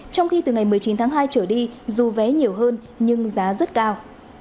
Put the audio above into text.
trong khi từ ngày một mươi chín tháng hai trở đi dù vé nhiều hơn nhưng giá rất cao